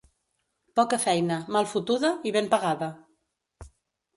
Poca feina, mal fotuda i ben pagada.